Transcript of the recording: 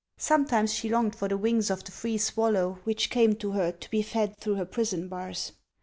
Sometimes she longed for the wings of the free swallow •\vhich came to her to be fed through her prison bars.